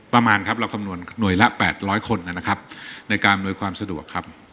ประมาณครับเราคำนวณหน่วยละ๘๐๐คนนะครับในการอำนวยความสะดวกครับ